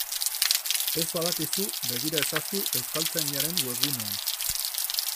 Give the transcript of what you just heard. Ez badakizu, begira ezazu Euskaltzaindiaren webgunean.